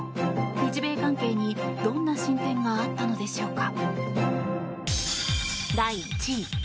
日米関係に、どんな進展があったのでしょうか。